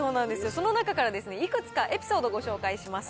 その中からいくつかエピソードをご紹介します。